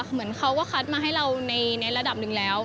เหมือนเขาก็คัดมาให้เราในระดับหนึ่งแล้ว